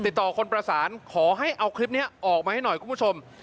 ติดต่อคนประสานขอให้เอาคลิปนี้ออกมาให้หน่อยคุณผู้ชม